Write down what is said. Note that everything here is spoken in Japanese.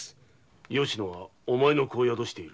よし乃はお前の子を宿している。